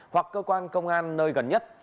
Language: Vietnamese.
hoặc cơ quan công an nơi gần nhất